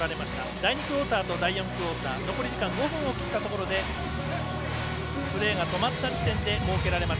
第２クオーターと第４クオーター残り時間５分を切ったところでプレーが止まった時点で設けられます。